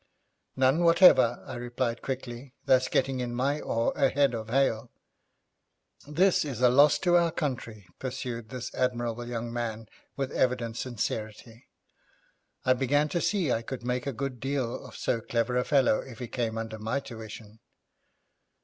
'None whatever,' I replied quickly, thus getting in my oar ahead of Hale. 'This is a loss to our country,' pursued this admirable young man, with evident sincerity. I began to see I could make a good deal of so clever a fellow if he came under my tuition.